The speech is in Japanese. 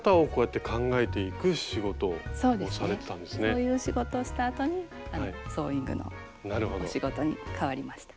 そういう仕事をしたあとにソーイングのお仕事に変わりました。